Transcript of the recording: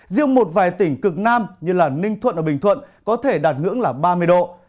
riêng một vài tỉnh cực nam như ninh thuận và bình thuận có thể đạt ngưỡng là ba mươi độ